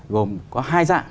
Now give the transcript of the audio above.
gồm có hai dạng